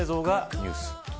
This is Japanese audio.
ニュース。